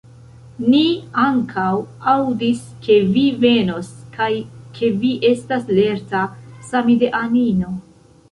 Ni ankaŭ aŭdis, ke vi venos, kaj ke vi estas lerta samideanino.